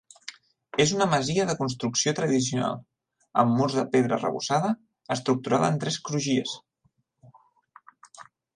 És una masia de construcció tradicional, amb murs de pedra arrebossada, estructurada en tres crugies.